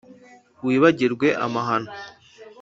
wibagirwe amahano